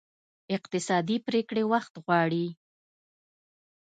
اقتصادي پرېکړې وخت غواړي.